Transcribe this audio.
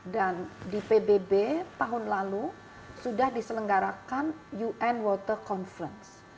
dan di pbb tahun lalu sudah diselenggarakan un water conference